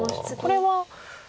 これは。